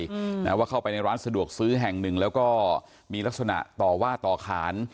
อืมนะว่าเข้าไปในร้านสะดวกซื้อแห่งหนึ่งแล้วก็มีลักษณะต่อว่าต่อขาน